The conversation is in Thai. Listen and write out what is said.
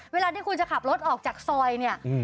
เวลาที่คุณจะขับรถออกจากซอยเนี่ย